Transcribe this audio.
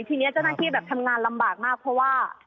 ทีนี้จะนัดที่ทำงานลำบากมากเพราะว่า